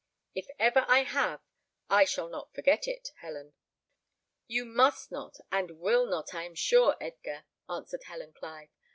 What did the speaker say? If ever I have, I shall not forget it, Helen." "You must not, and you will not, I am sure, Edgar," answered Helen Clive.